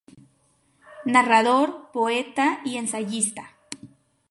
Narrador, poeta y ensayista.